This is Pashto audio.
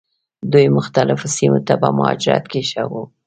دوی مختلفو سیمو ته په مهاجرت کې ښه وو.